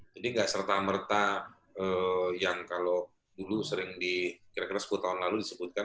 jadi tidak serta merta yang kalau dulu sering dikira kira sepuluh tahun lalu disebutkan